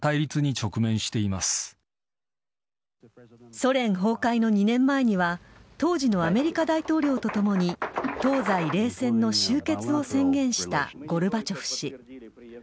ソ連崩壊の２年前には当時のアメリカ大統領とともに東西冷戦の終結を宣言したゴルバチョフ氏。